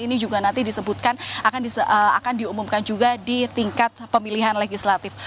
ini juga nanti disebutkan akan diumumkan juga di tingkat pemilihan legislatif